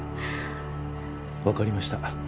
分かりました